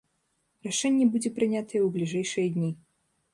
Рашэнне будзе прынятае ў бліжэйшыя дні.